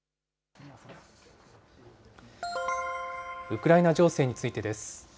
ウクライナ情勢についてです。